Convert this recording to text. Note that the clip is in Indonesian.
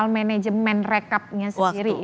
manajemen rekapnya sendiri